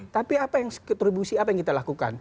tapi apa yang distribusi apa yang kita lakukan